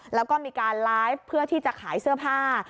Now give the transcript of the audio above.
แล้วก็มีการไลฟ์เพื่อที่จะขายเสื้อผ้า